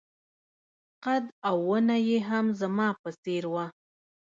قد او ونه يې هم زما په څېر وه.